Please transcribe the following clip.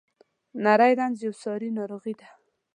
نری رنځ یوه ساري ناروغي ده.